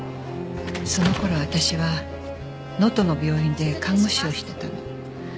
その頃私は能登の病院で看護師をしてたの。